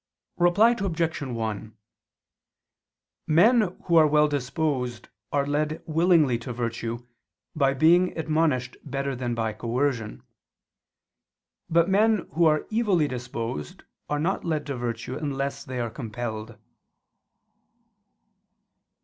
Reply Obj. 1: Men who are well disposed are led willingly to virtue by being admonished better than by coercion: but men who are evilly disposed are not led to virtue unless they are compelled.